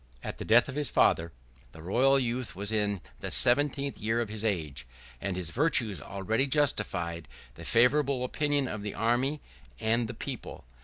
At the death of his father, the royal youth was in the seventeenth year of his age; and his virtues already justified the favorable opinion of the army and the people.